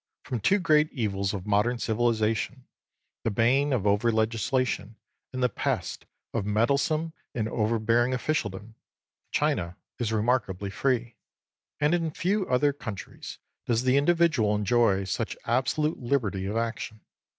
From two great evils of modern civilisation — the bane of over legislation and the pest of meddlesome and over bearing officialdom — China is remarkably free ; and in few other countries does the individual enjoy such absolute liberty of action.